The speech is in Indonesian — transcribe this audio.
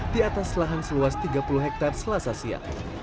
di atas lahan seluas tiga puluh hektare selasasia